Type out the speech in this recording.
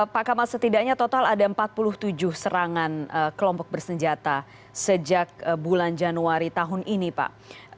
pak kamal setidaknya total ada empat puluh tujuh serangan kelompok bersenjata sejak bulan januari tahun ini pak